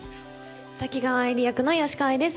滝川愛梨役の吉川愛です。